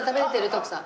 徳さん。